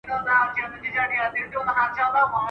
زوی یې وویل چټک نه سمه تللای ..